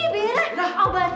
lama kesempatan dalam kita